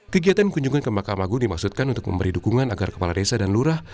kegiatan kunjungan ke mahkamah agung dimaksudkan untuk memberi dukungan agar kepala desa dan lurah